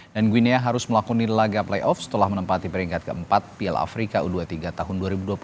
dan guinea harus melakoni laga playoff setelah menempati peringkat keempat piala afrika u dua puluh tiga tahun dua ribu dua puluh tiga